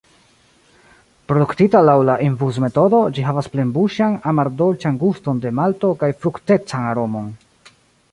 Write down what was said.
Produktita laŭ la infuzmetodo, ĝi havas plenbuŝan, amardolĉan guston de malto kaj fruktecan aromon.